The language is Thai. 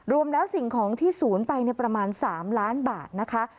รวมแล้วสิ่งของที่ศูนย์ไปประมาณ๓ล้านบาทนะคะ